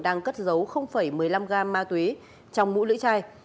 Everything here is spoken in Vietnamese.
đang cất giấu một mươi năm gam ma túy trong mũ lưỡi chai